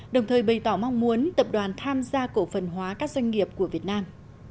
đồng thời bày tỏ mong muốn tập đoàn tham gia cổ phần hóa các doanh nghiệp của việt nam